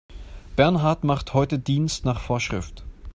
Bernhard macht heute Dienst nach Vorschrift.